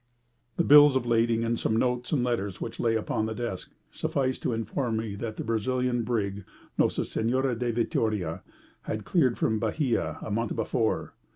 The bills of lading, and some notes and letters which lay upon the desk, sufficed to inform me that the Brazilian brig Nossa Sehnora da Vittoria had cleared from Bahia a month before.